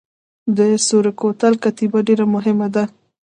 د سور کوتل کتیبه ډیره مهمه ده